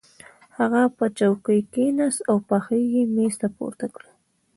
هغه په چوکۍ کېناست او پښې یې مېز ته پورته کړې